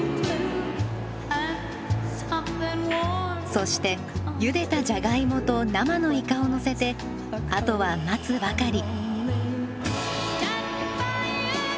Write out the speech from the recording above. そしてゆでたじゃがいもと生のイカをのせてあとは待つばかり。